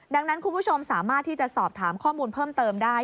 ดังนั้นคุณผู้ชมสามารถที่จะสอบถามข้อมูลเพิ่มเติมได้